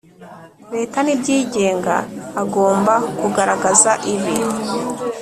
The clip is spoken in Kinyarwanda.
Leta n ibyigenga agomba kugaragaza ibi